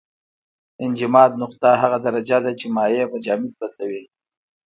انجماد نقطه هغه درجه ده چې مایع په جامد بدلوي.